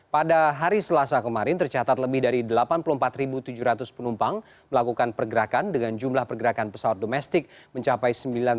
pada hari selasa kemarin tercatat lebih dari delapan puluh empat tujuh ratus penumpang melakukan pergerakan dengan jumlah pergerakan pesawat domestik mencapai sembilan puluh